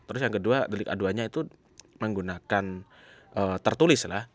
terus yang kedua delik aduannya itu menggunakan tertulis lah